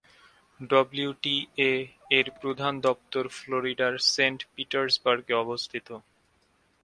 ডব্লিউটিএ-এর প্রধান দপ্তর ফ্লোরিডার সেন্ট পিটার্সবার্গে অবস্থিত।